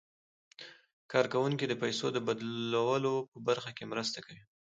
کارکوونکي د پيسو د بدلولو په برخه کې مرسته کوي.